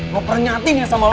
lo pernyatin ya sama lo